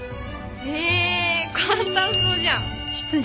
へえ簡単そうじゃん。